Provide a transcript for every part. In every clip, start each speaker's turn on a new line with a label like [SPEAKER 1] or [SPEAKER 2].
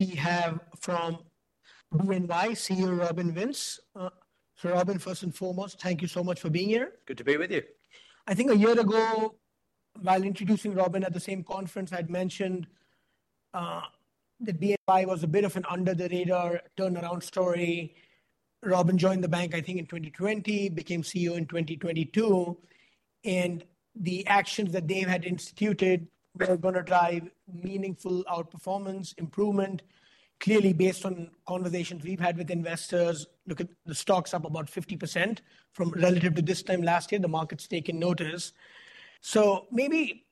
[SPEAKER 1] We have from BNY CEO Robin Vince. So, Robin, first and foremost, thank you so much for being here.
[SPEAKER 2] Good to be with you.
[SPEAKER 1] I think a year ago, while introducing Robin at the same conference, I'd mentioned that BNY was a bit of an under-the-radar turnaround story. Robin joined the bank, I think, in 2020, became CEO in 2022, and the actions that they had instituted were gonna drive meaningful outperformance improvement. Clearly, based on conversations we've had with investors, look at the stock's up about 50% from relative to this time last year. The market's taken notice. So maybe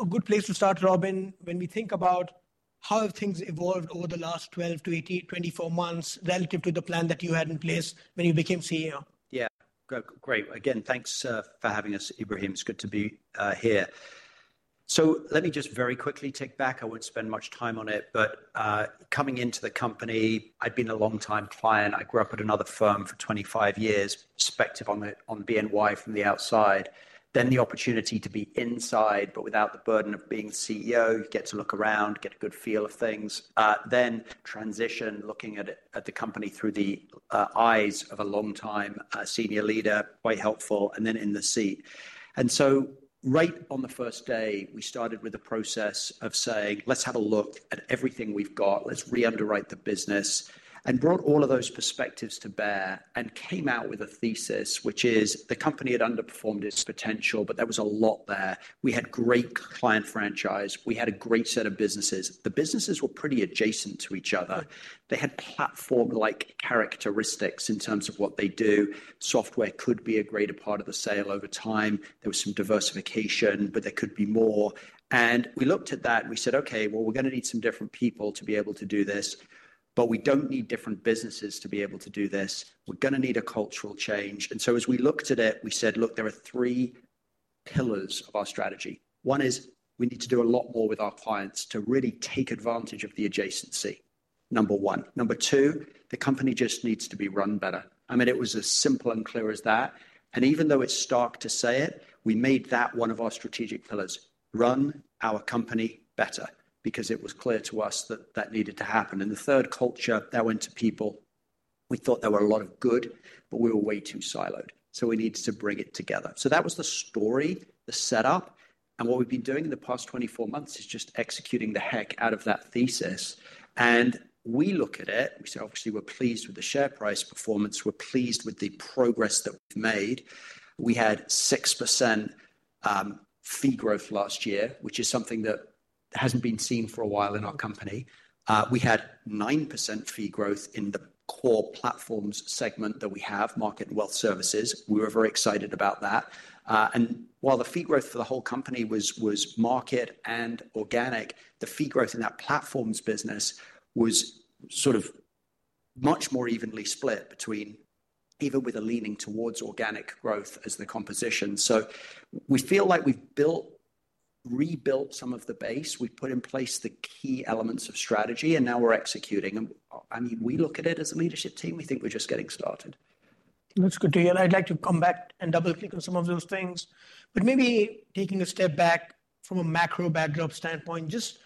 [SPEAKER 1] a good place to start, Robin, when we think about how have things evolved over the last 12 to 18, 24 months relative to the plan that you had in place when you became CEO?
[SPEAKER 2] Yeah. Great. Again, thanks for having us, Ibrahim. It's good to be here. So let me just very quickly take back. I won't spend much time on it, but coming into the company, I'd been a long-time client. I grew up at another firm for 25 years, perspective on BNY from the outside. Then the opportunity to be inside, but without the burden of being the CEO, get to look around, get a good feel of things, then transition, looking at it at the company through the eyes of a long-time senior leader, quite helpful, and then in the seat, and so right on the first day, we started with a process of saying, "Let's have a look at everything we've got. Let's re-underwrite the business," and brought all of those perspectives to bear and came out with a thesis, which is the company had underperformed its potential, but there was a lot there. We had great client franchise. We had a great set of businesses. The businesses were pretty adjacent to each other. They had platform-like characteristics in terms of what they do. Software could be a greater part of the sale over time. There was some diversification, but there could be more, and we looked at that and we said, "Okay, well, we're gonna need some different people to be able to do this, but we don't need different businesses to be able to do this. We're gonna need a cultural change," and so as we looked at it, we said, "Look, there are three pillars of our strategy. One is we need to do a lot more with our clients to really take advantage of the adjacency. Number one. Number two, the company just needs to be run better." I mean, it was as simple and clear as that. And even though it's stark to say it, we made that one of our strategic pillars, run our company better, because it was clear to us that that needed to happen. And the third, culture, that went to people. We thought there were a lot of good, but we were way too siloed. So we needed to bring it together. So that was the story, the setup. And what we've been doing in the past 24 months is just executing the heck out of that thesis. And we look at it, we say, "Obviously, we're pleased with the share price performance. We're pleased with the progress that we've made." We had 6% fee growth last year, which is something that hasn't been seen for a while in our company. We had 9% fee growth in the core platforms segment that we have, market and wealth services. We were very excited about that. And while the fee growth for the whole company was market and organic, the fee growth in that platforms business was sort of much more evenly split between, even with a leaning towards organic growth as the composition. So we feel like we've built, rebuilt some of the base. We've put in place the key elements of strategy, and now we're executing. And I mean, we look at it as a leadership team. We think we're just getting started.
[SPEAKER 1] That's good to hear. And I'd like to come back and double-click on some of those things. But maybe taking a step back from a macro backdrop standpoint, just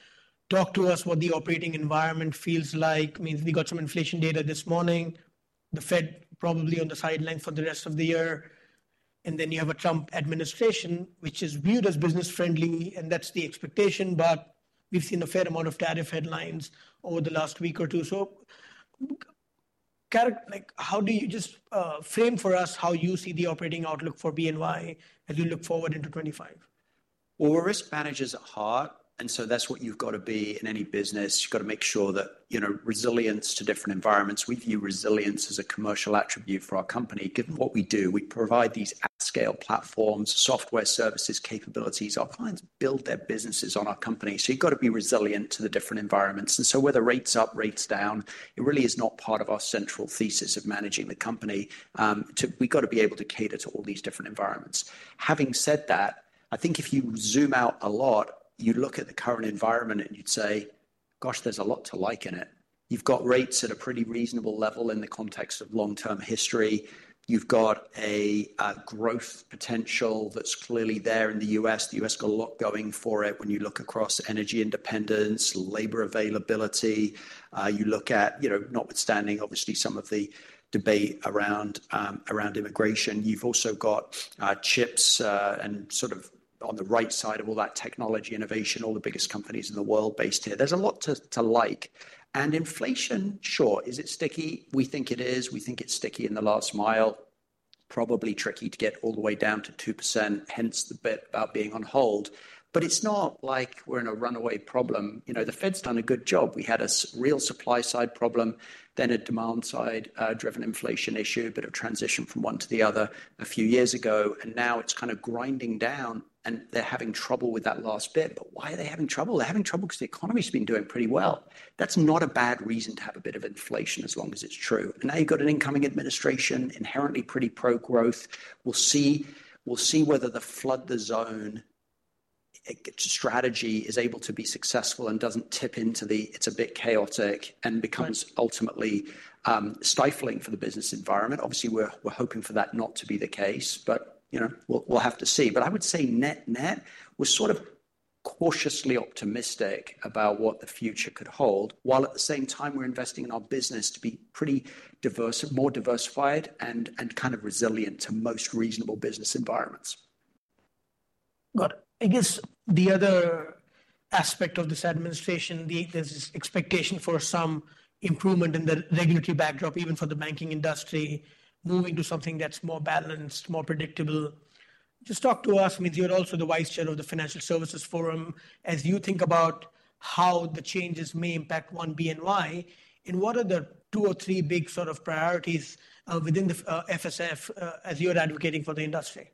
[SPEAKER 1] talk to us what the operating environment feels like. I mean, we got some inflation data this morning. The Fed probably on the sidelines for the rest of the year. And then you have a Trump administration, which is viewed as business-friendly, and that's the expectation, but we've seen a fair amount of tariff headlines over the last week or two. So characterize, like, how do you just frame for us how you see the operating outlook for BNY as we look forward into 2025?
[SPEAKER 2] Well, we're risk managers at heart, and so that's what you've gotta be in any business. You've gotta make sure that, you know, resilience to different environments. We view resilience as a commercial attribute for our company, given what we do. We provide these at-scale platforms, software services, capabilities. Our clients build their businesses on our company. So you've gotta be resilient to the different environments. And so whether rates up, rates down, it really is not part of our central thesis of managing the company. So we've gotta be able to cater to all these different environments. Having said that, I think if you zoom out a lot, you look at the current environment and you'd say, "Gosh, there's a lot to like in it." You've got rates at a pretty reasonable level in the context of long-term history. You've got a growth potential that's clearly there in the U.S. The U.S. got a lot going for it when you look across energy independence, labor availability. You look at, you know, notwithstanding, obviously, some of the debate around immigration. You've also got chips, and sort of on the right side of all that technology innovation, all the biggest companies in the world based here. There's a lot to like. And inflation, sure, is it sticky? We think it is. We think it's sticky in the last mile. Probably tricky to get all the way down to 2%, hence the bit about being on hold. But it's not like we're in a runaway problem. You know, the Fed's done a good job. We had a real supply-side problem, then a demand-side, driven inflation issue, a bit of transition from one to the other a few years ago, and now it's kind of grinding down, and they're having trouble with that last bit. But why are they having trouble? They're having trouble 'cause the economy's been doing pretty well. That's not a bad reason to have a bit of inflation as long as it's true. And now you've got an incoming administration, inherently pretty pro-growth. We'll see, we'll see whether the flood the zone, strategy is able to be successful and doesn't tip into the, it's a bit chaotic and becomes ultimately, stifling for the business environment. Obviously, we're, we're hoping for that not to be the case, but, you know, we'll, we'll have to see. But, I would say net-net we're sort of cautiously optimistic about what the future could hold, while at the same time we're investing in our business to be pretty diverse and more diversified and, and kind of resilient to most reasonable business environments.
[SPEAKER 1] Got it. I guess the other aspect of this administration, there's this expectation for some improvement in the regulatory backdrop, even for the banking industry, moving to something that's more balanced, more predictable. Just talk to us. I mean, you're also the Vice Chair of the Financial Services Forum. As you think about how the changes may impact One BNY, and what are the two or three big sort of priorities, within the FSF, as you're advocating for the industry?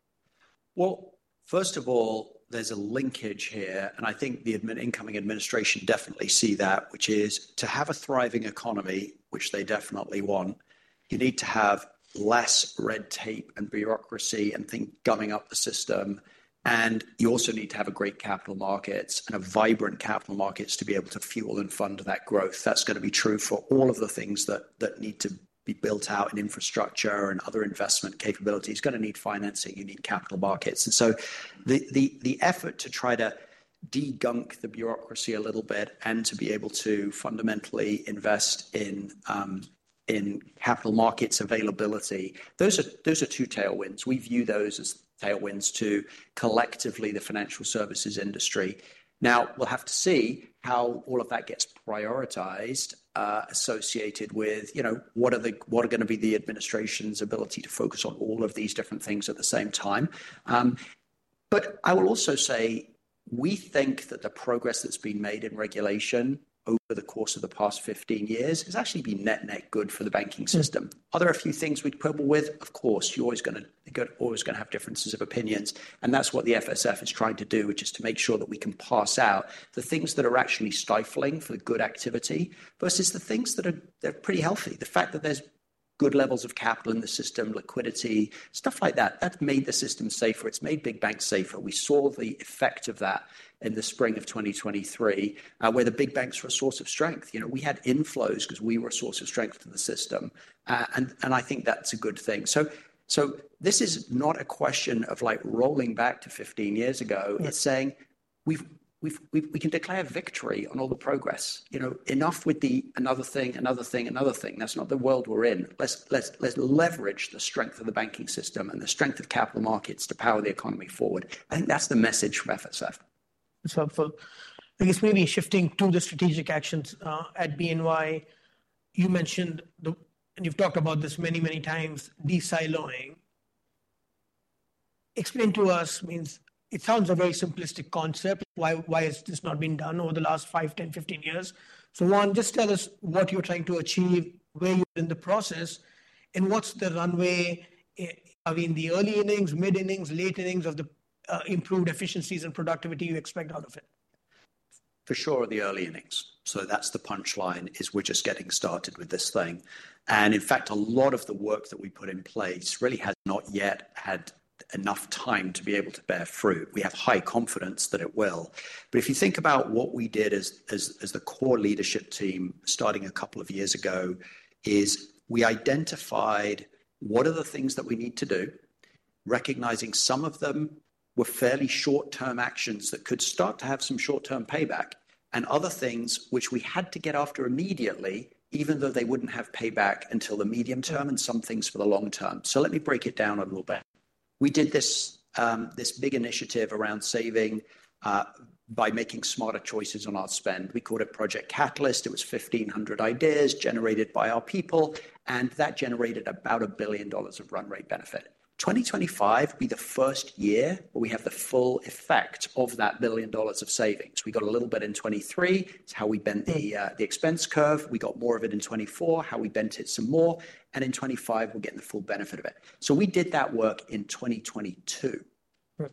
[SPEAKER 2] First of all, there's a linkage here, and I think the incoming administration definitely see that, which is to have a thriving economy, which they definitely want. You need to have less red tape and bureaucracy and things gumming up the system. You also need to have a great capital markets and a vibrant capital markets to be able to fuel and fund that growth. That's gonna be true for all of the things that need to be built out in infrastructure and other investment capabilities. Gonna need financing. You need capital markets. So the effort to try to degunk the bureaucracy a little bit and to be able to fundamentally invest in capital markets availability. Those are two tailwinds. We view those as tailwinds to collectively the financial services industry. Now we'll have to see how all of that gets prioritized, associated with, you know, what are the, what are gonna be the administration's ability to focus on all of these different things at the same time. But I will also say we think that the progress that's been made in regulation over the course of the past 15 years has actually been net-net good for the banking system. Are there a few things we'd quibble with? Of course, you're always gonna have differences of opinions. And that's what the FSF is trying to do, which is to make sure that we can parse out the things that are actually stifling for good activity versus the things that are, they're pretty healthy. The fact that there's good levels of capital in the system, liquidity, stuff like that, that's made the system safer. It's made big banks safer. We saw the effect of that in the spring of 2023, where the big banks were a source of strength. You know, we had inflows 'cause we were a source of strength in the system, and I think that's a good thing, so this is not a question of like rolling back to 15 years ago.
[SPEAKER 1] Mm-hmm.
[SPEAKER 2] It's saying we can declare victory on all the progress. You know, enough with the another thing, another thing, another thing. That's not the world we're in. Let's leverage the strength of the banking system and the strength of capital markets to power the economy forward. I think that's the message from FSF.
[SPEAKER 1] That's helpful. I guess maybe shifting to the strategic actions at BNY. You mentioned the, and you've talked about this many, many times, de-siloing. Explain to us. I mean, it sounds a very simplistic concept. Why, why has this not been done over the last five, 10, 15 years? So one, just tell us what you're trying to achieve, where you're in the process, and what's the runway. I mean, the early innings, mid innings, late innings of the improved efficiencies and productivity you expect out of it?
[SPEAKER 2] For sure, the early innings. So that's the punchline is we're just getting started with this thing. And in fact, a lot of the work that we put in place really has not yet had enough time to be able to bear fruit. We have high confidence that it will. But if you think about what we did as the core leadership team starting a couple of years ago is we identified what are the things that we need to do, recognizing some of them were fairly short-term actions that could start to have some short-term payback, and other things which we had to get after immediately, even though they wouldn't have payback until the medium term and some things for the long term. So let me break it down a little bit. We did this big initiative around saving, by making smarter choices on our spend. We called it Project Catalyst. It was 1,500 ideas generated by our people, and that generated about $1 billion of run rate benefit. 2025 will be the first year where we have the full effect of that $1 billion of savings. We got a little bit in 2023. It's how we bent the expense curve. We got more of it in 2024, how we bent it some more, and in 2025, we're getting the full benefit of it, so we did that work in 2022.
[SPEAKER 1] Right.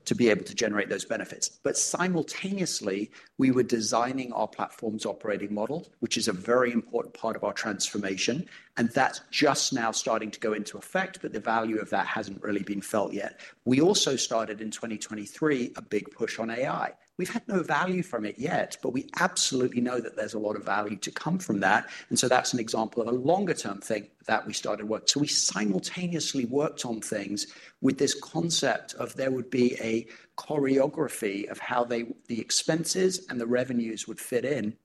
[SPEAKER 2] To be able to generate those benefits. But simultaneously, we were designing our platform operating model, which is a very important part of our transformation, and that's just now starting to go into effect, but the value of that hasn't really been felt yet. We also started in 2023 a big push on AI. We've had no value from it yet, but we absolutely know that there's a lot of value to come from that. And so that's an example of a longer-term thing that we started work. So we simultaneously worked on things with this concept of there would be a choreography of how they, the expenses and the revenues would fit in.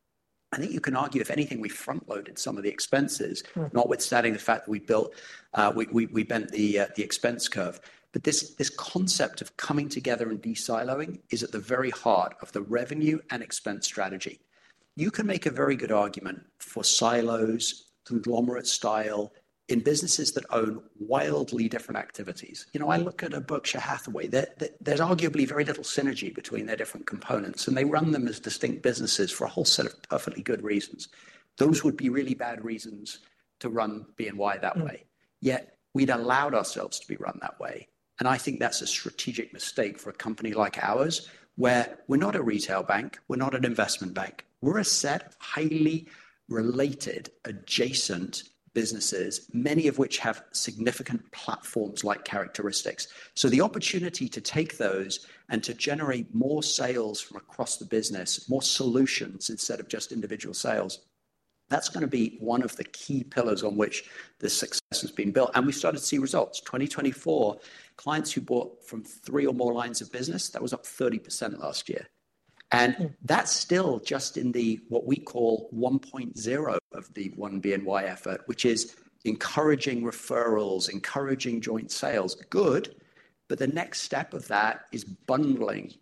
[SPEAKER 2] I think you can argue if anything, we front-loaded some of the expenses. Notwithstanding the fact that we built, we bent the expense curve. But this concept of coming together and de-siloing is at the very heart of the revenue and expense strategy. You can make a very good argument for silos, conglomerate style in businesses that own wildly different activities. You know, I look at a Berkshire Hathaway. There, there's arguably very little synergy between their different components, and they run them as distinct businesses for a whole set of perfectly good reasons. Those would be really bad reasons to run BNY that way. Yet we'd allowed ourselves to be run that way. And I think that's a strategic mistake for a company like ours where we're not a retail bank, we're not an investment bank. We're a set of highly related, adjacent businesses, many of which have significant platforms-like characteristics. So the opportunity to take those and to generate more sales from across the business, more solutions instead of just individual sales, that's gonna be one of the key pillars on which the success has been built. And we've started to see results. 2024, clients who bought from three or more lines of business, that was up 30% last year. And that's still just in the what we call 1.0 of the One BNY effort, which is encouraging referrals, encouraging joint sales, good. But the next step of that is bundling.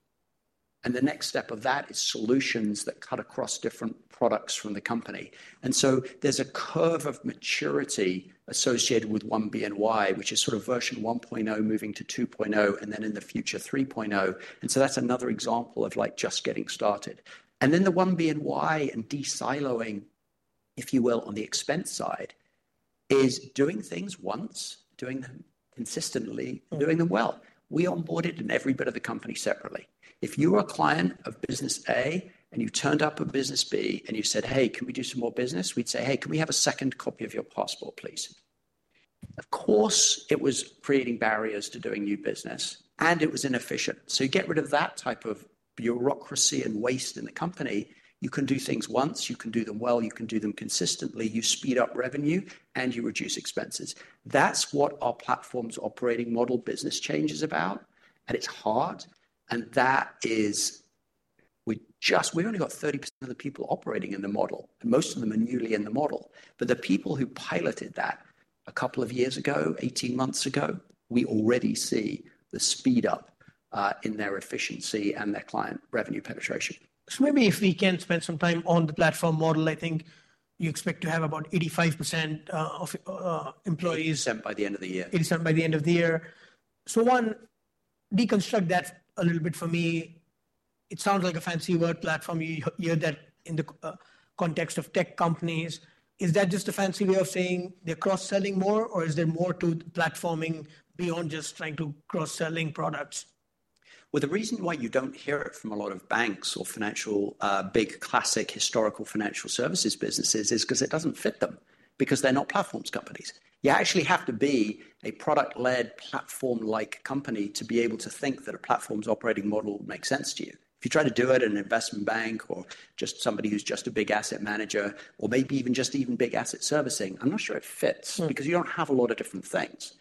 [SPEAKER 2] And the next step of that is solutions that cut across different products from the company. And so there's a curve of maturity associated with One BNY, which is sort of version 1.0 moving to 2.0, and then in the future 3.0. And so that's another example of like just getting started. And then the One BNY and de-siloing, if you will, on the expense side is doing things once, doing them consistently, and doing them well. We onboarded in every bit of the company separately. If you were a client of business A and you turned up at business B and you said, "Hey, can we do some more business?" We'd say, "Hey, can we have a second copy of your passport, please?" Of course, it was creating barriers to doing new business, and it was inefficient. So you get rid of that type of bureaucracy and waste in the company. You can do things once, you can do them well, you can do them consistently, you speed up revenue, and you reduce expenses. That's what our platform's operating model business change is about. And it's hard. And that is, we just, we've only got 30% of the people operating in the model, and most of them are newly in the model. But the people who piloted that a couple of years ago, 18 months ago, we already see the speed up in their efficiency and their client revenue penetration.
[SPEAKER 1] So maybe if we can spend some time on the platform model, I think you expect to have about 85% of employees.
[SPEAKER 2] It's sent by the end of the year.
[SPEAKER 1] It is sent by the end of the year. So one, deconstruct that a little bit for me. It sounds like a fancy word, platform. You hear that in the context of tech companies. Is that just a fancy way of saying they're cross-selling more, or is there more to platforming beyond just trying to cross-selling products?
[SPEAKER 2] The reason why you don't hear it from a lot of banks or financial, big classic historical financial services businesses is 'cause it doesn't fit them because they're not platforms companies. You actually have to be a product-led platform-like company to be able to think that a platform's operating model makes sense to you. If you try to do it at an investment bank or just somebody who's just a big asset manager or maybe even just big asset servicing, I'm not sure it fits. Because you don't have a lot of different things.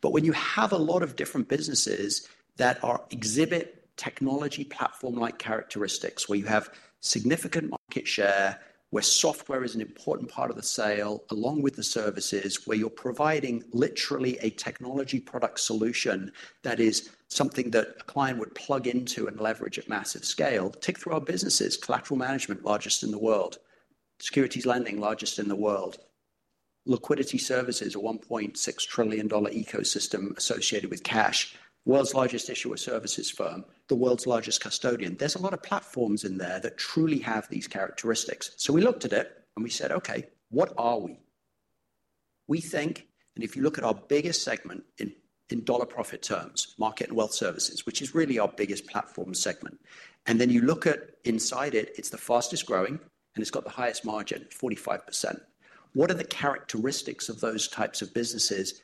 [SPEAKER 2] But when you have a lot of different businesses that exhibit technology platform-like characteristics where you have significant market share, where software is an important part of the sale along with the services, where you're providing literally a technology product solution that is something that a client would plug into and leverage at massive scale, tick through our businesses, collateral management largest in the world, securities lending largest in the world, liquidity services, a $1.6 trillion ecosystem associated with cash, world's largest issuer services firm, the world's largest custodian. There's a lot of platforms in there that truly have these characteristics. So we looked at it and we said, "Okay, what are we?" We think, and if you look at our biggest segment in dollar profit terms, market and wealth services, which is really our biggest platform segment. And then you look at inside it, it's the fastest growing and it's got the highest margin, 45%. What are the characteristics of those types of businesses?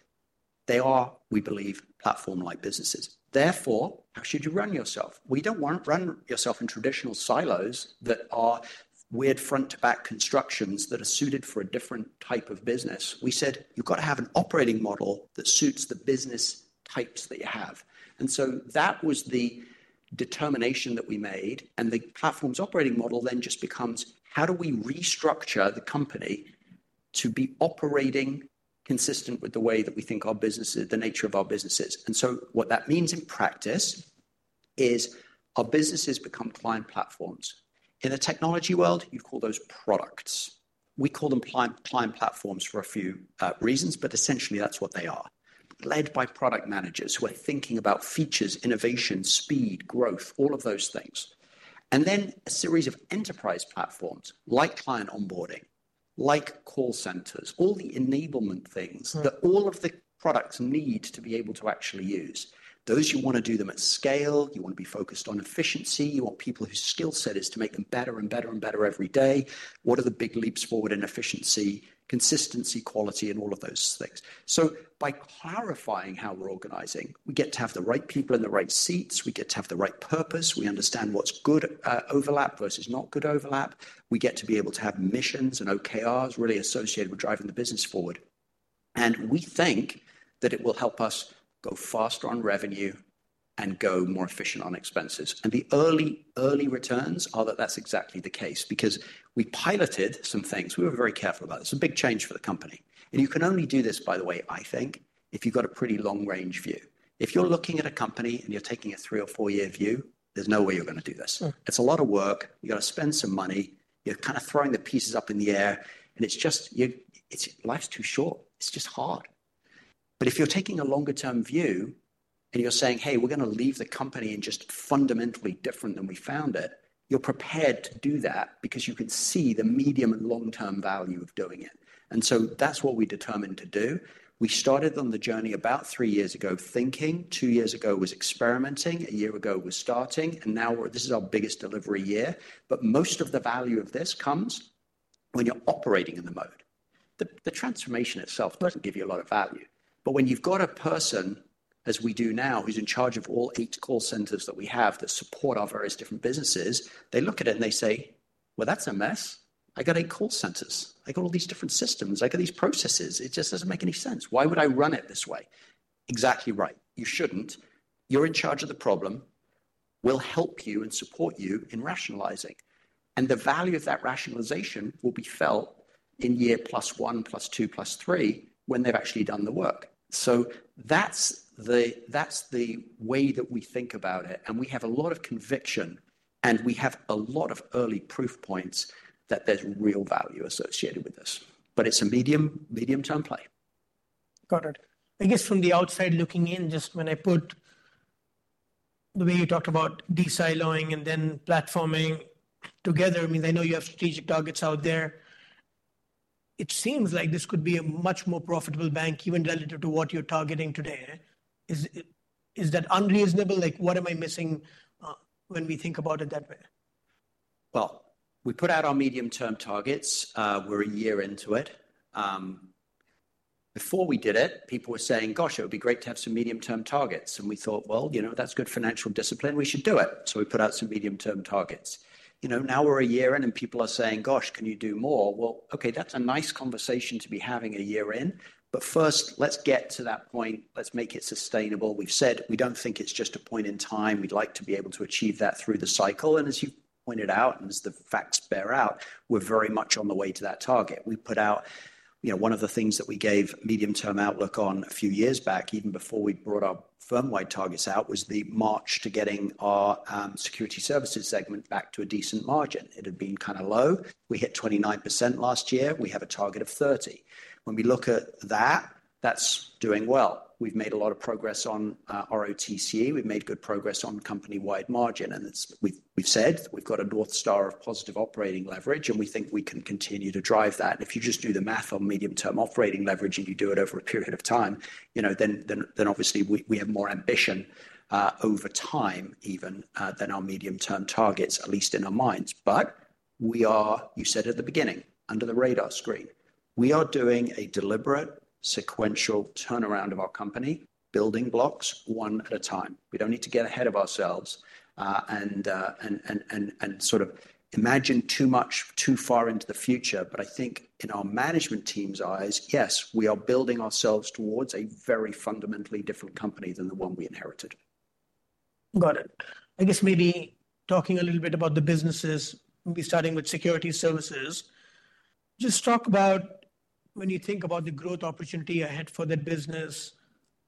[SPEAKER 2] They are, we believe, platform-like businesses. Therefore, how should you run yourself? We don't wanna run in traditional silos that are weird front-to-back constructions that are suited for a different type of business. We said, "You've gotta have an operating model that suits the business types that you have." And so that was the determination that we made. And the platform operating model then just becomes, how do we restructure the company to be operating consistent with the way that we think our business is, the nature of our businesses? And so what that means in practice is our businesses become client platforms. In the technology world, you call those products. We call them client-client platforms for a few reasons, but essentially that's what they are. Led by product managers who are thinking about features, innovation, speed, growth, all of those things. Then a series of enterprise platforms like client onboarding, like call centers, all the enablement things that all of the products need to be able to actually use. Those who wanna do them at scale, you wanna be focused on efficiency. You want people whose skillset is to make them better and better and better every day. What are the big leaps forward in efficiency, consistency, quality, and all of those things? By clarifying how we're organizing, we get to have the right people in the right seats. We get to have the right purpose. We understand what's good overlap versus not good overlap. We get to be able to have missions and OKRs really associated with driving the business forward, and we think that it will help us go faster on revenue and go more efficient on expenses, and the early, early returns are that that's exactly the case because we piloted some things. We were very careful about this. It's a big change for the company, and you can only do this, by the way, I think, if you've got a pretty long-range view. If you're looking at a company and you're taking a three or four-year view, there's no way you're gonna do this. It's a lot of work. You gotta spend some money. You're kind of throwing the pieces up in the air, and it's just, it's life's too short. It's just hard. But if you're taking a longer-term view and you're saying, "Hey, we're gonna leave the company and just fundamentally different than we found it," you're prepared to do that because you can see the medium and long-term value of doing it. And so that's what we determined to do. We started on the journey about three years ago thinking. Two years ago was experimenting. A year ago was starting. And now we're, this is our biggest delivery year. But most of the value of this comes when you're operating in the mode. The transformation itself doesn't give you a lot of value. But when you've got a person, as we do now, who's in charge of all eight call centers that we have that support our various different businesses, they look at it and they say, "Well, that's a mess. I got eight call centers. “I got all these different systems. I got these processes. It just doesn't make any sense. Why would I run it this way?” Exactly right. You shouldn't. You're in charge of the problem. We'll help you and support you in rationalizing. And the value of that rationalization will be felt in year plus one, plus two, plus three when they've actually done the work. So that's the, that's the way that we think about it. And we have a lot of conviction, and we have a lot of early proof points that there's real value associated with this. But it's a medium, medium-term play.
[SPEAKER 1] Got it. I guess from the outside looking in, just when I put the way you talked about de-siloing and then platforming together, I mean, I know you have strategic targets out there. It seems like this could be a much more profitable bank even relative to what you're targeting today. Is, is that unreasonable? Like, what am I missing, when we think about it that way?
[SPEAKER 2] We put out our medium-term targets. We're a year into it. Before we did it, people were saying, "Gosh, it would be great to have some medium-term targets." And we thought, "Well, you know, that's good financial discipline. We should do it." We put out some medium-term targets. You know, now we're a year in and people are saying, "Gosh, can you do more?" Okay, that's a nice conversation to be having a year in. First, let's get to that point. Let's make it sustainable. We've said we don't think it's just a point in time. We'd like to be able to achieve that through the cycle. As you pointed out, and as the facts bear out, we're very much on the way to that target. We put out, you know, one of the things that we gave medium-term outlook on a few years back, even before we brought our firm-wide targets out, was the march to getting our security services segment back to a decent margin. It had been kind of low. We hit 29% last year. We have a target of 30%. When we look at that, that's doing well. We've made a lot of progress on ROTCE. We've made good progress on company-wide margin. And we've said we've got a North Star of positive operating leverage, and we think we can continue to drive that. And if you just do the math on medium-term operating leverage and you do it over a period of time, you know, then obviously we have more ambition over time even than our medium-term targets, at least in our minds. But we are, you said at the beginning, under the radar screen. We are doing a deliberate sequential turnaround of our company, building blocks one at a time. We don't need to get ahead of ourselves, and sort of imagine too much, too far into the future. But I think in our management team's eyes, yes, we are building ourselves towards a very fundamentally different company than the one we inherited.
[SPEAKER 1] Got it. I guess maybe talking a little bit about the businesses, maybe starting with securities services, just talk about when you think about the growth opportunity ahead for that business,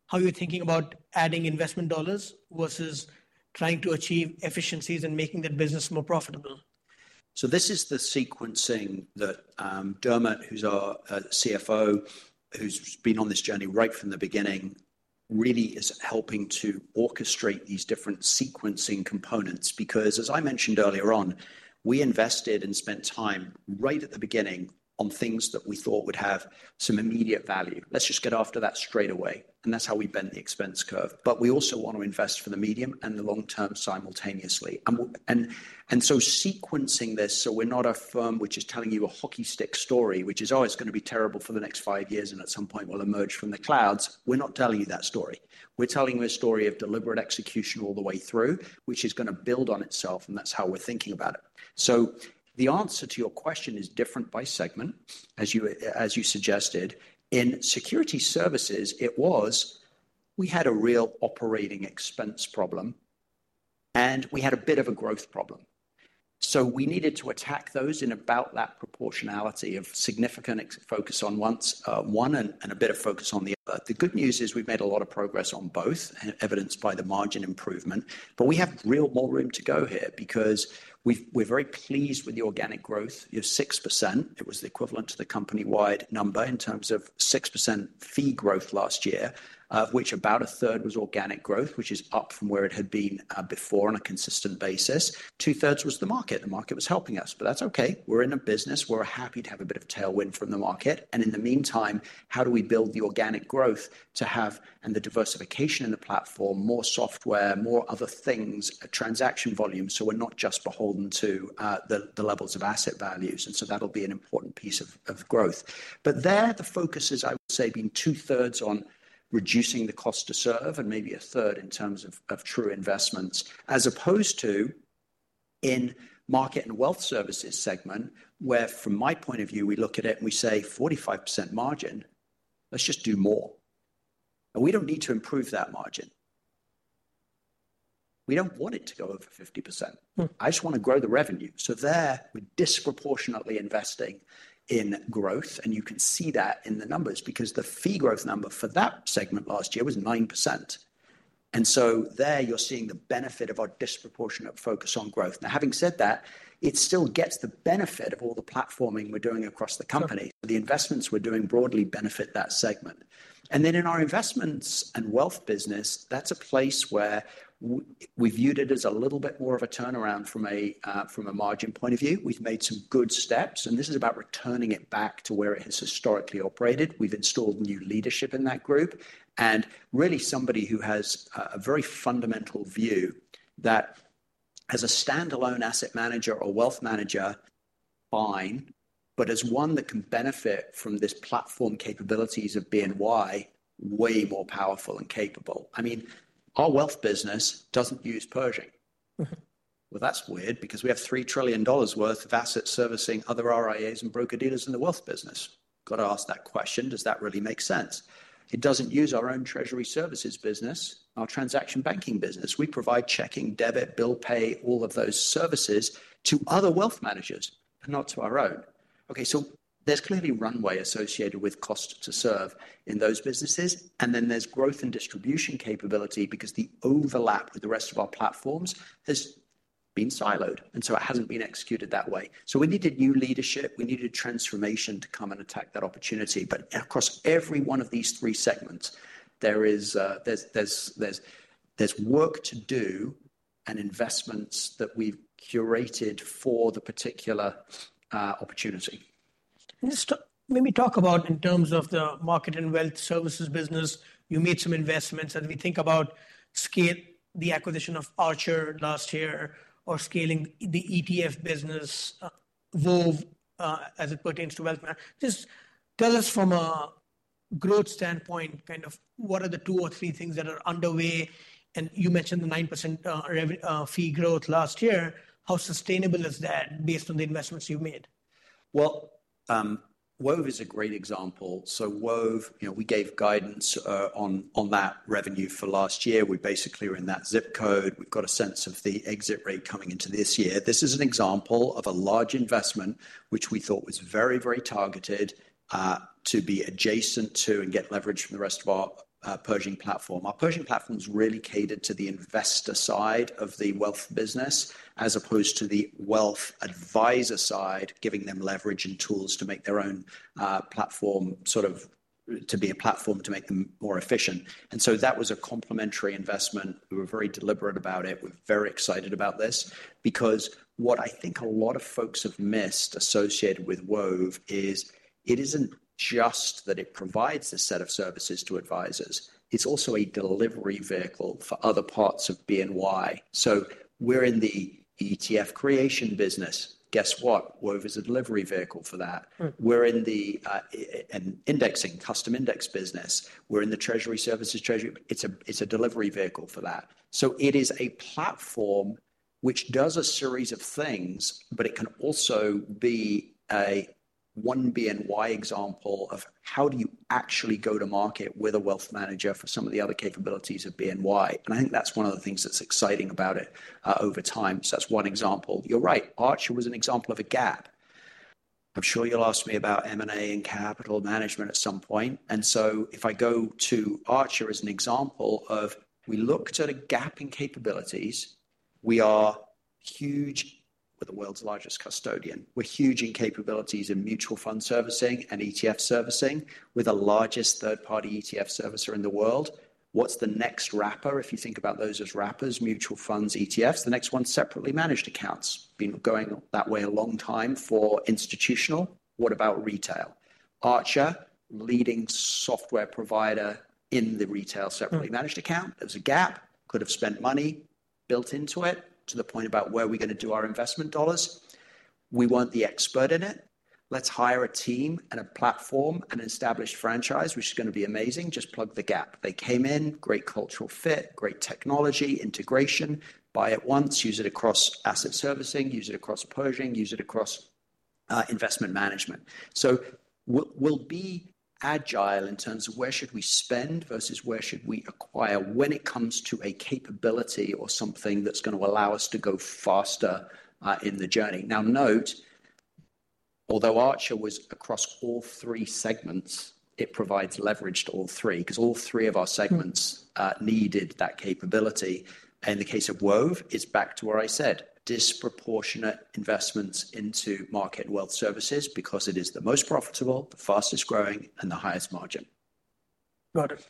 [SPEAKER 1] how you're thinking about adding investment dollars versus trying to achieve efficiencies and making that business more profitable?
[SPEAKER 2] So this is the sequencing that Dermot, who's our CFO, who's been on this journey right from the beginning, really is helping to orchestrate these different sequencing components. Because as I mentioned earlier on, we invested and spent time right at the beginning on things that we thought would have some immediate value. Let's just get after that straight away. And that's how we bend the expense curve. But we also wanna invest for the medium and the long-term simultaneously. And we, and, and so sequencing this, so we're not a firm which is telling you a hockey stick story, which is, "Oh, it's gonna be terrible for the next five years, and at some point we'll emerge from the clouds." We're not telling you that story. We're telling you a story of deliberate execution all the way through, which is gonna build on itself, and that's how we're thinking about it. So the answer to your question is different by segment, as you suggested. In security services, it was we had a real operating expense problem, and we had a bit of a growth problem. So we needed to attack those in about that proportionality of significant focus on one and a bit of focus on the other. The good news is we've made a lot of progress on both, evidenced by the margin improvement. But we have real more room to go here because we're very pleased with the organic growth. You have 6%. It was the equivalent to the company-wide number in terms of 6% fee growth last year, of which about a third was organic growth, which is up from where it had been, before on a consistent basis. Two-thirds was the market. The market was helping us. But that's okay. We're in a business. We're happy to have a bit of tailwind from the market. And in the meantime, how do we build the organic growth to have and the diversification in the platform, more software, more other things, transaction volume, so we're not just beholden to the levels of asset values? And so that'll be an important piece of growth. But there, the focus is, I would say, being two-thirds on reducing the cost to serve and maybe a third in terms of true investments, as opposed to in market and wealth services segment, where from my point of view, we look at it and we say 45% margin, let's just do more, and we don't need to improve that margin. We don't want it to go over 50%. I just wanna grow the revenue, so there, we're disproportionately investing in growth, and you can see that in the numbers because the fee growth number for that segment last year was 9%, and so there, you're seeing the benefit of our disproportionate focus on growth. Now, having said that, it still gets the benefit of all the platforming we're doing across the company, so the investments we're doing broadly benefit that segment. And then in our investments and wealth business, that's a place where we viewed it as a little bit more of a turnaround from a margin point of view. We've made some good steps. And this is about returning it back to where it has historically operated. We've installed new leadership in that group. And really, somebody who has a very fundamental view that as a standalone asset manager or wealth manager, fine, but as one that can benefit from this platform capabilities of BNY, way more powerful and capable. I mean, our wealth business doesn't use Pershing.
[SPEAKER 1] Mm-hmm.
[SPEAKER 2] Well, that's weird because we have $3 trillion worth of asset servicing other RIAs and broker-dealers in the wealth business. Gotta ask that question. Does that really make sense? It doesn't use our own treasury services business, our transaction banking business. We provide checking, debit, bill pay, all of those services to other wealth managers and not to our own. Okay. So there's clearly runway associated with cost to serve in those businesses. And then there's growth and distribution capability because the overlap with the rest of our platforms has been siloed. And so it hasn't been executed that way. So we needed new leadership. We needed transformation to come and attack that opportunity. But across every one of these three segments, there is work to do and investments that we've curated for the particular opportunity.
[SPEAKER 1] Let's talk, maybe, about in terms of the market and wealth services business. You made some investments. And we think about scale, the acquisition of Archer last year or scaling the ETF business, Wove, as it pertains to wealth management. Just tell us from a growth standpoint, kind of what are the two or three things that are underway? And you mentioned the 9% revenue fee growth last year. How sustainable is that based on the investments you've made?
[SPEAKER 2] Wove is a great example. Wove, you know, we gave guidance on that revenue for last year. We basically are in that zip code. We've got a sense of the exit rate coming into this year. This is an example of a large investment which we thought was very, very targeted to be adjacent to and get leverage from the rest of our Pershing platform. Our Pershing platforms really catered to the investor side of the wealth business as opposed to the wealth advisor side, giving them leverage and tools to make their own platform sort of to be a platform to make them more efficient. That was a complementary investment. We were very deliberate about it. We're very excited about this because what I think a lot of folks have missed associated with Wove is it isn't just that it provides a set of services to advisors. It's also a delivery vehicle for other parts of BNY. So we're in the ETF creation business. Guess what? Wove is a delivery vehicle for that. We're in the indexing, custom index business. We're in the treasury services treasury. It's a delivery vehicle for that. So it is a platform which does a series of things, but it can also be a One BNY example of how do you actually go to market with a wealth manager for some of the other capabilities of BNY. And I think that's one of the things that's exciting about it, over time. So that's one example. You're right. Archer was an example of a gap. I'm sure you'll ask me about M&A and capital management at some point, and so if I go to Archer as an example of we looked at a gap in capabilities. We are huge, we're the world's largest custodian. We're huge in capabilities in mutual fund servicing and ETF servicing with the largest third-party ETF servicer in the world. What's the next wrapper? If you think about those as wrappers, mutual funds, ETFs, the next one's separately managed accounts. Been going that way a long time for institutional. What about retail? Archer, leading software provider in the retail separately managed account. There's a gap. Could have spent money built into it to the point about where we're gonna do our investment dollars. We weren't the expert in it. Let's hire a team and a platform and an established franchise, which is gonna be amazing. Just plug the gap. They came in, great cultural fit, great technology, integration, buy it once, use it across asset servicing, use it across Pershing, use it across investment management. So we'll be agile in terms of where should we spend versus where should we acquire when it comes to a capability or something that's gonna allow us to go faster in the journey. Now note, although Archer was across all three segments, it provides leverage to all three because all three of our segments needed that capability. And in the case of Wove, it's back to what I said, disproportionate investments into market and wealth services because it is the most profitable, the fastest growing, and the highest margin.
[SPEAKER 1] Got it.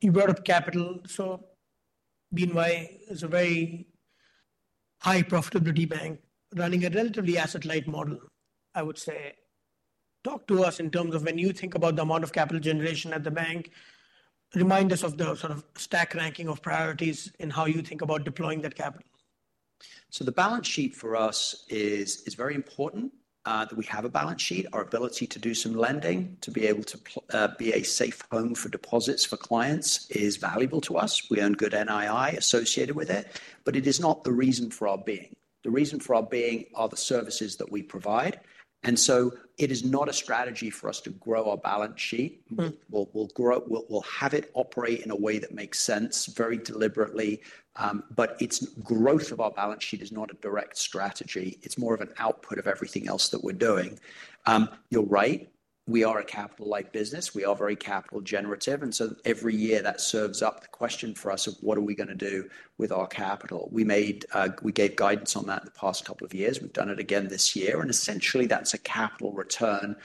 [SPEAKER 1] You brought up capital. So BNY is a very high profitability bank running a relatively asset-light model, I would say. Talk to us in terms of when you think about the amount of capital generation at the bank. Remind us of the sort of stack ranking of priorities and how you think about deploying that capital.
[SPEAKER 2] So the balance sheet for us is very important, that we have a balance sheet. Our ability to do some lending, to be able to be a safe home for deposits for clients is valuable to us. We earn good NII associated with it, but it is not the reason for our being. The reason for our being are the services that we provide. And so it is not a strategy for us to grow our balance sheet. We'll grow. We'll have it operate in a way that makes sense very deliberately. But its growth of our balance sheet is not a direct strategy. It's more of an output of everything else that we're doing. You're right. We are a capital-like business. We are very capital generative. And so every year that serves up the question for us of what are we gonna do with our capital? We made, we gave guidance on that in the past couple of years. We've done it again this year. And essentially that's a capital return,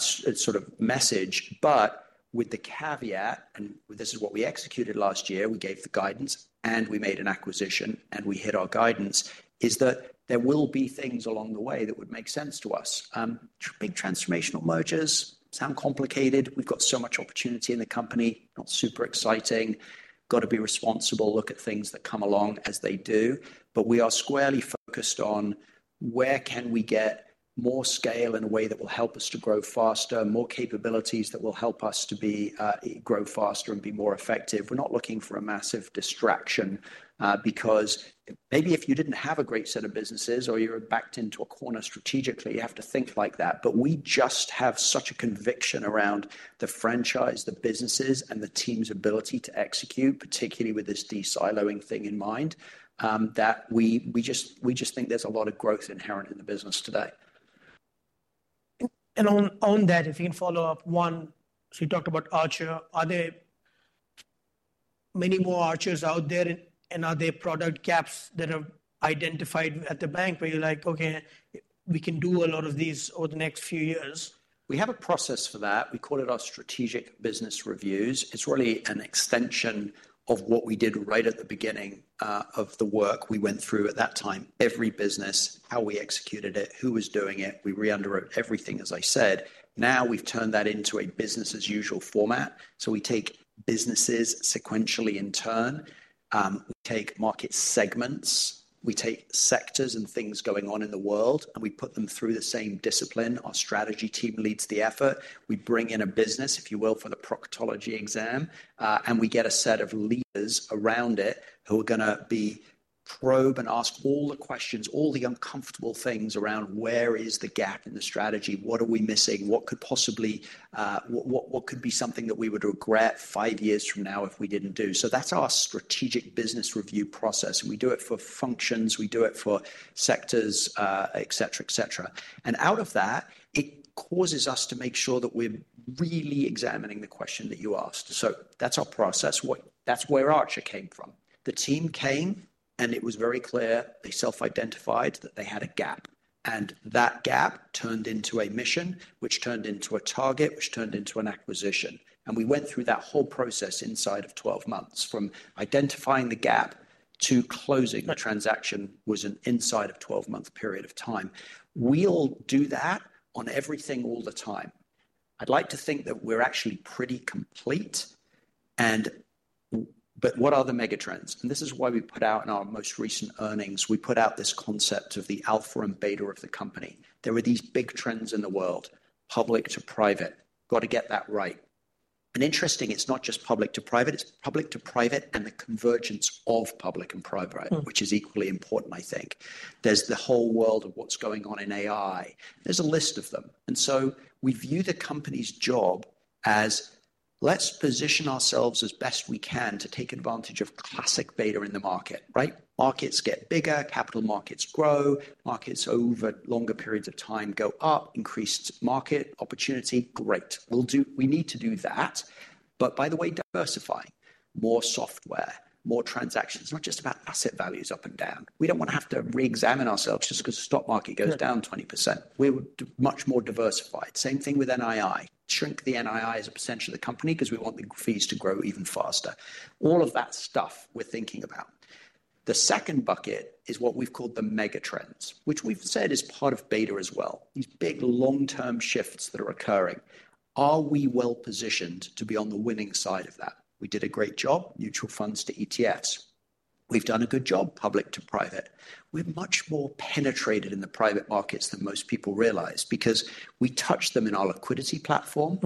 [SPEAKER 2] sort of message. But with the caveat, and this is what we executed last year, we gave the guidance and we made an acquisition and we hit our guidance, is that there will be things along the way that would make sense to us. Big transformational mergers sound complicated. We've got so much opportunity in the company, not super exciting. Gotta be responsible, look at things that come along as they do. But we are squarely focused on where can we get more scale in a way that will help us to grow faster, more capabilities that will help us to be, grow faster and be more effective. We're not looking for a massive distraction, because maybe if you didn't have a great set of businesses or you're backed into a corner strategically, you have to think like that. But we just have such a conviction around the franchise, the businesses, and the team's ability to execute, particularly with this de-siloing thing in mind, that we just think there's a lot of growth inherent in the business today.
[SPEAKER 1] And on that, if you can follow up one, so you talked about Archer. Are there many more Archers out there? And are there product gaps that are identified at the bank where you're like, okay, we can do a lot of these over the next few years?
[SPEAKER 2] We have a process for that. We call it our strategic business reviews. It's really an extension of what we did right at the beginning, of the work we went through at that time. Every business, how we executed it, who was doing it. We re-underwrote everything, as I said. Now we've turned that into a business-as-usual format. So we take businesses sequentially in turn. We take market segments, we take sectors and things going on in the world, and we put them through the same discipline. Our strategy team leads the effort. We bring in a business, if you will, for the proctology exam, and we get a set of leaders around it who are gonna be probe and ask all the questions, all the uncomfortable things around where is the gap in the strategy? What are we missing? What could possibly be something that we would regret five years from now if we didn't do? So that's our strategic business review process. And we do it for functions. We do it for sectors, et cetera, et cetera. And out of that, it causes us to make sure that we're really examining the question that you asked. So that's our process. That's where Archer came from. The team came, and it was very clear they self-identified that they had a gap. And that gap turned into a mission, which turned into a target, which turned into an acquisition. And we went through that whole process inside of 12 months from identifying the gap to closing the transaction was an inside of 12-month period of time. We'll do that on everything all the time. I'd like to think that we're actually pretty complete. What are the mega trends? This is why we put out in our most recent earnings, we put out this concept of the alpha and beta of the company. There were these big trends in the world, public to private. Gotta get that right. Interesting, it's not just public to private. It's public to private and the convergence of public and private, which is equally important, I think. There's the whole world of what's going on in AI. There's a list of them. We view the company's job as let's position ourselves as best we can to take advantage of classic beta in the market, right? Markets get bigger, capital markets grow, markets over longer periods of time go up, increased market opportunity, great. We'll do, we need to do that. By the way, diversifying, more software, more transactions. It's not just about asset values up and down. We don't wanna have to re-examine ourselves just 'cause the stock market goes down 20%. We're much more diversified. Same thing with NII. Shrink the NII as a percentage of the total 'cause we want the fees to grow even faster. All of that stuff we're thinking about. The second bucket is what we've called the mega trends, which we've said is part of beta as well. These big long-term shifts that are occurring. Are we well positioned to be on the winning side of that? We did a great job, mutual funds to ETFs. We've done a good job, public to private. We're much more penetrated in the private markets than most people realize because we touch them in our liquidity platform.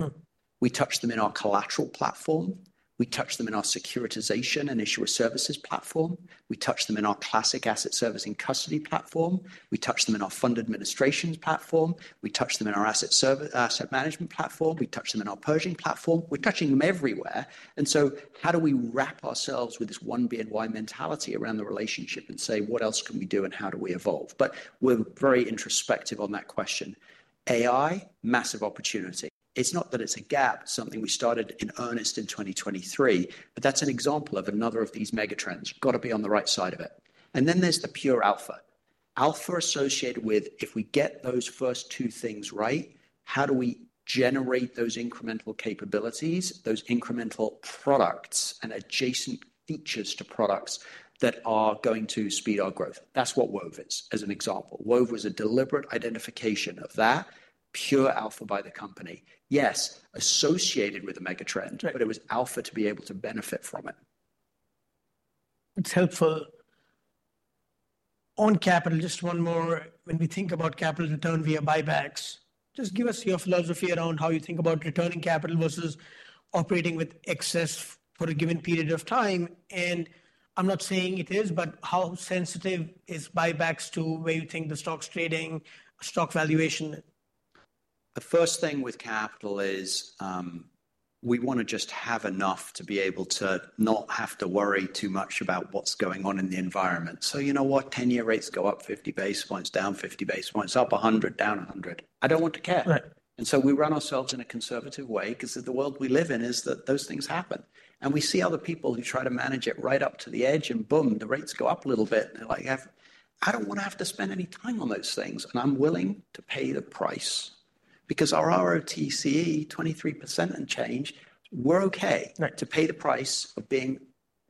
[SPEAKER 2] We touch them in our collateral platform. We touch them in our securitization and issuer services platform. We touch them in our classic asset servicing custody platform. We touch them in our fund administration platform. We touch them in our asset service, asset management platform. We touch them in our Pershing platform. We're touching them everywhere, and so how do we wrap ourselves with this One BNY mentality around the relationship and say, what else can we do and how do we evolve, but we're very introspective on that question. AI, massive opportunity. It's not that it's a gap, something we started in earnest in 2023, but that's an example of another of these mega trends. Gotta be on the right side of it, and then there's the pure alpha. Alpha associated with if we get those first two things right, how do we generate those incremental capabilities, those incremental products and adjacent features to products that are going to speed our growth? That's what Wove is as an example. Wove was a deliberate identification of that pure alpha by the company. Yes, associated with a mega trend.
[SPEAKER 1] Right.
[SPEAKER 2] But it was Alpha to be able to benefit from it.
[SPEAKER 1] It's helpful. On capital, just one more. When we think about capital return via buybacks, just give us your philosophy around how you think about returning capital versus operating with excess for a given period of time. And I'm not saying it is, but how sensitive is buybacks to where you think the stock's trading, stock valuation?
[SPEAKER 2] The first thing with capital is, we wanna just have enough to be able to not have to worry too much about what's going on in the environment. So, you know what? 10-year rates go up 50 basis points, down 50 basis points, up a hundred, down a hundred. I don't want to care.
[SPEAKER 1] Right.
[SPEAKER 2] And so we run ourselves in a conservative way 'cause of the world we live in is that those things happen. And we see other people who try to manage it right up to the edge and boom, the rates go up a little bit and they're like, I don't wanna have to spend any time on those things. And I'm willing to pay the price because our ROTCE, 23% and change, we're okay.
[SPEAKER 1] Right.
[SPEAKER 2] To pay the price of being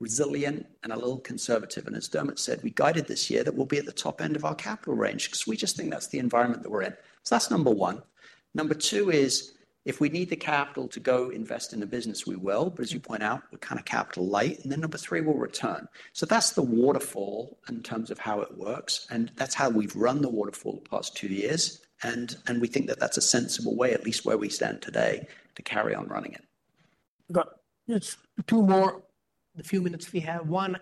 [SPEAKER 2] resilient and a little conservative. And as Dermot said, we guided this year that we'll be at the top end of our capital range 'cause we just think that's the environment that we're in. So that's number one. Number two is if we need the capital to go invest in a business, we will. But as you point out, we're kind of capital light. And then number three, we'll return. So that's the waterfall in terms of how it works. And that's how we've run the waterfall the past two years. And we think that that's a sensible way, at least where we stand today, to carry on running it.
[SPEAKER 1] Got it. It's two more, the few minutes we have. One,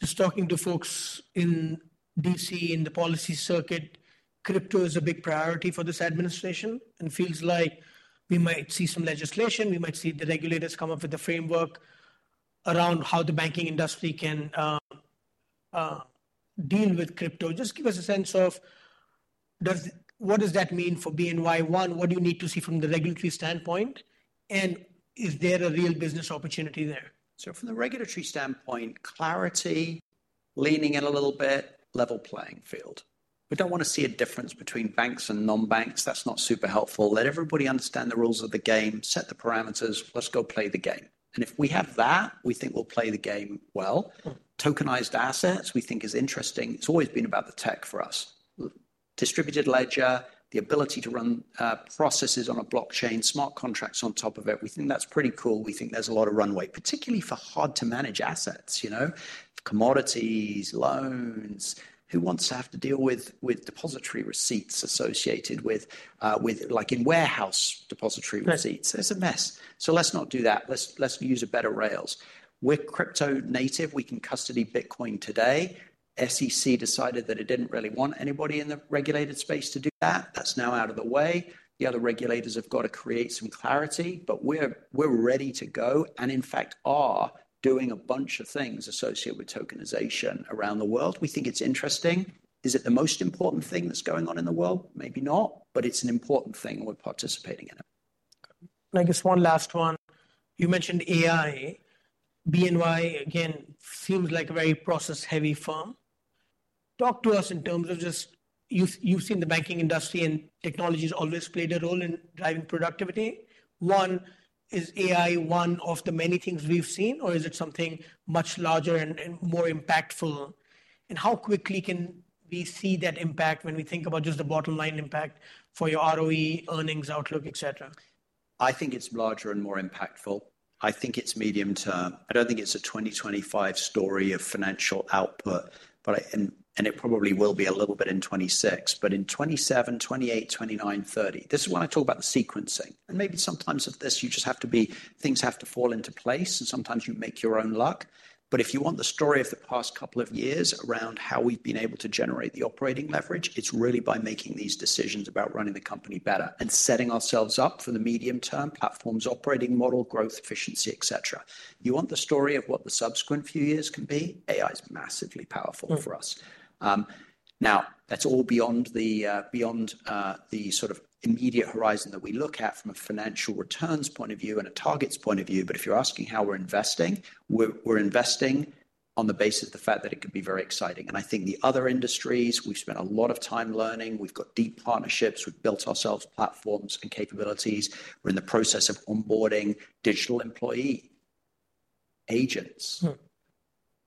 [SPEAKER 1] just talking to folks in D.C., in the policy circuit, crypto is a big priority for this administration and feels like we might see some legislation. We might see the regulators come up with a framework around how the banking industry can deal with crypto. Just give us a sense of what does that mean for BNY? One, what do you need to see from the regulatory standpoint? And is there a real business opportunity there?
[SPEAKER 2] So from the regulatory standpoint, clarity, leaning in a little bit, level playing field. We don't wanna see a difference between banks and non-banks. That's not super helpful. Let everybody understand the rules of the game, set the parameters, let's go play the game. And if we have that, we think we'll play the game well. Tokenized assets, we think is interesting. It's always been about the tech for us. Distributed ledger, the ability to run processes on a blockchain, smart contracts on top of it. We think that's pretty cool. We think there's a lot of runway, particularly for hard-to-manage assets, you know, commodities, loans. Who wants to have to deal with depository receipts associated with like in warehouse depository receipts?
[SPEAKER 1] Right.
[SPEAKER 2] It's a mess. So let's not do that. Let's use better rails. We're crypto native. We can custody Bitcoin today. SEC decided that it didn't really want anybody in the regulated space to do that. That's now out of the way. The other regulators have gotta create some clarity, but we're ready to go. And in fact, are doing a bunch of things associated with tokenization around the world. We think it's interesting. Is it the most important thing that's going on in the world? Maybe not, but it's an important thing and we're participating in it.
[SPEAKER 1] Okay. And I guess one last one. You mentioned AI. BNY, again, seems like a very process-heavy firm. Talk to us in terms of just, you've, you've seen the banking industry and technology's always played a role in driving productivity. One, is AI one of the many things we've seen, or is it something much larger and, and more impactful? And how quickly can we see that impact when we think about just the bottom line impact for your ROE, earnings outlook, et cetera?
[SPEAKER 2] I think it's larger and more impactful. I think it's medium term. I don't think it's a 2025 story of financial output, but I, and it probably will be a little bit in 2026, but in 2027, 2028, 2029, 2030. This is when I talk about the sequencing. And maybe sometimes of this you just have to be, things have to fall into place and sometimes you make your own luck. But if you want the story of the past couple of years around how we've been able to generate the operating leverage, it's really by making these decisions about running the company better and setting ourselves up for the medium-term platform operating model, growth efficiency, et cetera. You want the story of what the subsequent few years can be? AI's massively powerful for us. Now that's all beyond the sort of immediate horizon that we look at from a financial returns point of view and a targets point of view. But if you're asking how we're investing, we're investing on the basis of the fact that it could be very exciting. And I think the other industries, we've spent a lot of time learning. We've got deep partnerships. We've built ourselves platforms and capabilities. We're in the process of onboarding digital employee agents.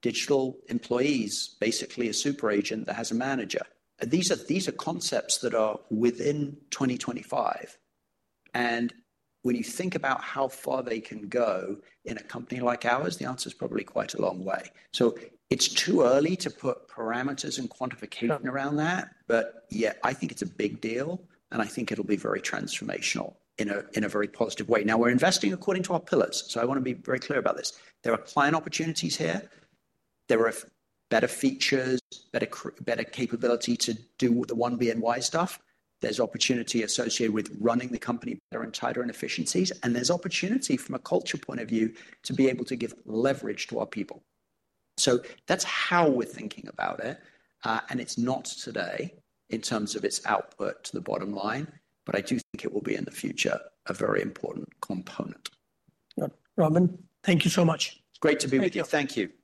[SPEAKER 2] Digital employees, basically a super agent that has a manager. And these are concepts that are within 2025. And when you think about how far they can go in a company like ours, the answer's probably quite a long way. So it's too early to put parameters and quantification around that.
[SPEAKER 1] Right.
[SPEAKER 2] But yeah, I think it's a big deal and I think it'll be very transformational in a very positive way. Now we're investing according to our pillars. So I wanna be very clear about this. There are client opportunities here. There are better features, better capability to do the One BNY stuff. There's opportunity associated with running the company better and tighter in efficiencies. And there's opportunity from a culture point of view to be able to give leverage to our people. So that's how we're thinking about it. And it's not today in terms of its output to the bottom line, but I do think it will be in the future a very important component.
[SPEAKER 1] Good. Robin, thank you so much.
[SPEAKER 2] It's great to be with you. Thank you.